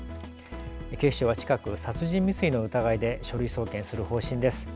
警視庁は近く殺人未遂の疑いで書類送検する方針です。